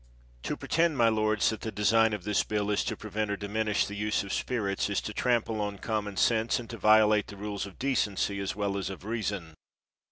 To pretend, my lords, that the design of this bill is to prevent or diminish the use of spirits is to trample on common sense and to violate the rules of decency as well as of reason.